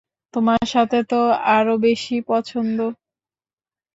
তোমার সাথে তো, আরো বেশি পছন্দ।